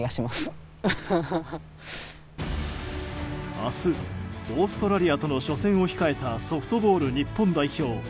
明日、オーストラリアとの初戦を控えたソフトボール日本代表。